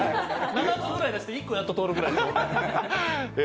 ７つぐらい出して、１個やっと通るぐらい。